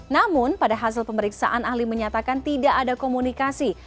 namun pada hasil pemeriksaan ahli menyatakan tidak ada komunikasi